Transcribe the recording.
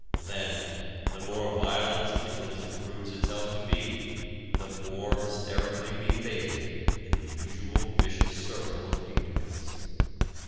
Then, the more violent syndicalism proves itself to be, the more hysterically we bait it in the usual vicious circle of ignorance.